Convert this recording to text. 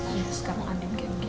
sekarang andin kayak begini